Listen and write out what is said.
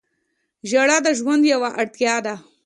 • ژړا د ژوند یوه اړتیا ده.